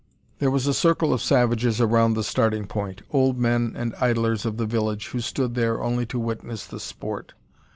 There was a circle of savages around the starting point; old men and idlers of the village, who stood there only to witness the sport.